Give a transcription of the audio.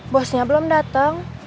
bosnya belum datang